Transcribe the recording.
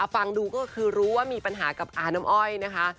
ฟังดูก็คือรู้ว่ามีปัญหากับอาน้ำอ้อยนะคะ